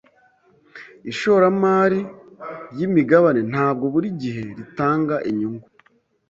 Ishoramari ryimigabane ntabwo buri gihe ritanga inyungu.